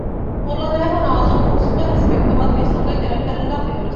Podle mého názoru musíme respektovat výsledek referenda v Irsku.